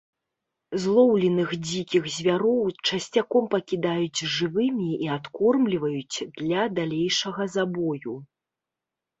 Злоўленых дзікіх звяроў часцяком пакідаюць жывымі і адкормліваюць для далейшага забою.